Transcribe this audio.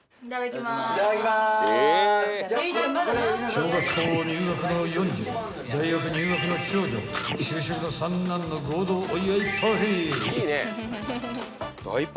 ［小学校入学の四女大学入学の長女就職の三男の合同お祝いパーティー］